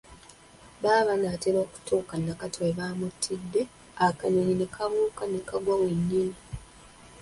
Baba banaatera okutuka Nakato we baamuttidde akanyonyi ne kabuuka ne kagwa wennyini